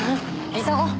急ごう！